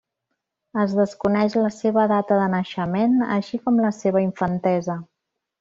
Es desconeix la seva data de naixement, així com la seva infantesa.